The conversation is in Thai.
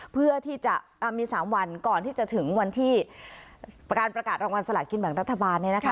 เพื่อที่จะมี๓วันก่อนที่จะถึงวันที่การประกาศรางวัลสละกินแบ่งรัฐบาล